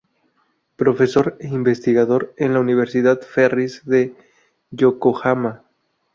Profesor e investigador en la Universidad Ferris, de Yokohama.